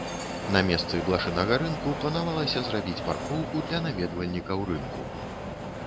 На месцы блышынага рынку планавалася зрабіць паркоўку для наведвальнікаў рынку.